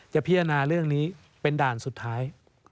พิจารณาเรื่องนี้เป็นด่านสุดท้าย